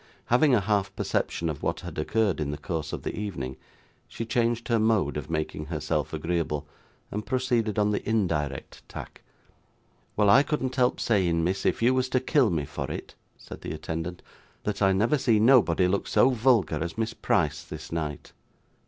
Having a half perception of what had occurred in the course of the evening, she changed her mode of making herself agreeable, and proceeded on the indirect tack. 'Well, I couldn't help saying, miss, if you was to kill me for it,' said the attendant, 'that I never see nobody look so vulgar as Miss Price this night.